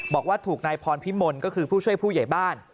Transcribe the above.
บอกว่าถูกนายพรพิมลก็คือผู้ช่วยผู้ใหญ่บ้าน